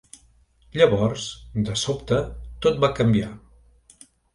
Llavors, de sobte, tot va canviar.